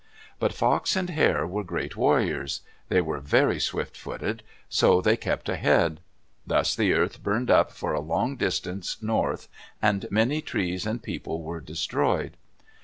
But Fox and Hare were great warriors. They were very swift footed, so they kept ahead. Thus the earth burned up for a long distance north and many trees and people were destroyed.